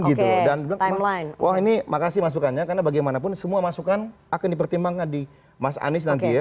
dan bilang wah ini makasih masukannya karena bagaimanapun semua masukan akan dipertimbangkan di mas anies nanti ya